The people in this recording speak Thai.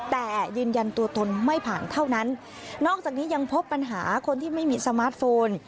แต่ยืนยันตัวตนไม่ผ่านเท่านั้นนอกจากนี้ยังพบปัญหาคนที่ไม่มีสมาร์ทโฟน